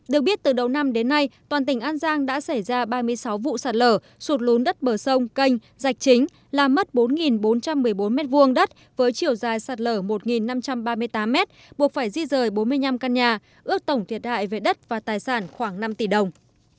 được biết từ đầu năm đến nay toàn tỉnh an giang đã xảy ra ba mươi sáu vụ sạt lở sụt lún đất bờ sông canh rạch chính làm mất bốn bốn trăm một mươi bốn m hai đất với chiều dài sạt lở một năm trăm ba mươi tám m buộc phải di rời bốn mươi năm căn nhà ước tổng thiệt hại về đất và tài sản khoảng năm tỷ đồng